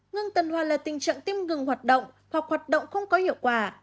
ngưng tân hoa là tình trạng tim ngừng hoạt động hoặc hoạt động không có hiệu quả